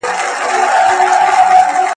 • چي ډېر وائې، لږ خېژي.